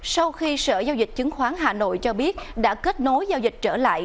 sau khi sở giao dịch chứng khoán hà nội cho biết đã kết nối giao dịch trở lại